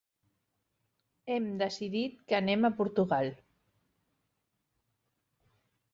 Hem decidit que anem a Portugal.